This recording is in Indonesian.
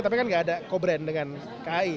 tapi kan nggak ada co brand dengan kai